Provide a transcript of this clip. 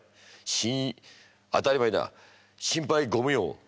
しん当たり前だ心配ご無用。